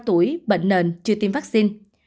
tuổi bệnh nền chưa tiêm vaccine